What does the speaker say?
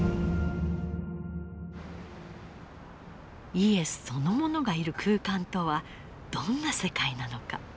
イエスそのものがいる空間とはどんな世界なのか。